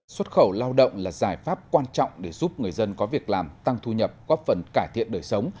xuất khẩu lao động là giải pháp quan trọng để giúp người dân có việc làm tăng thu nhập góp phần cải thiện đời sống